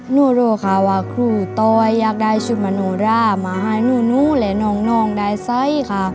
หนูรู้ค่ะว่าครูต้อยอยากได้ชุดมโนรามาให้หนูและน้องได้ไซส์ค่ะ